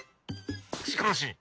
しかし。